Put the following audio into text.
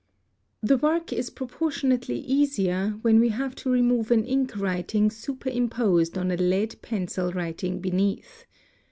The work is proportionately easier, when we have to remove an ink writing superimposed on a lead pencil writing beneath.